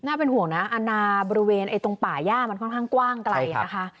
เป็นห่วงนะอาณาบริเวณตรงป่าย่ามันค่อนข้างกว้างไกลนะคะ